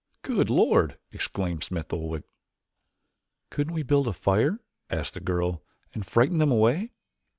"Good Lord! exclaimed Smith Oldwick. "Couldn't we build a fire," asked the girl, "and frighten them away?"